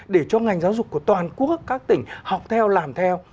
để cho ngành giáo dục của toàn quốc các tỉnh học theo làm theo